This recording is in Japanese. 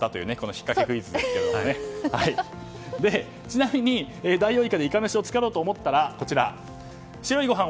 ちなみに、ダイオウイカでイカめしを作ろうと思ったら白いご飯